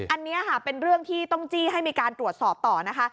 อันนี้ค่ะเป็นเรื่องที่ต้องจี้ให้มีการตรวจสอบต่อนะคะ